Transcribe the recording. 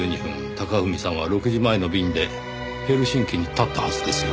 隆文さんは６時前の便でヘルシンキに発ったはずですよ。